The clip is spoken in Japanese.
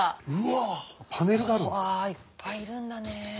うわいっぱいいるんだね。